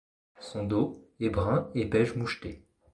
Son dos est brun et beige moucheté.